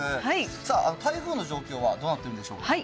さあ、台風の状況はどうなってるんでしょうか。